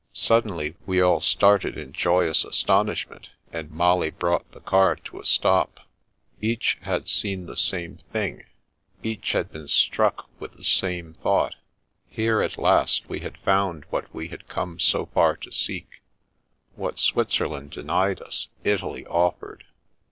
Suddenly we all started in joyous astonishment, and Molly brought the car to a stop. Each had seen the same thing, each had been struck with the same The Wings of the Wind 7 1 thought. Here, at last, we had found what we had come so far to seek; what Switzerland denied us, Italy offered.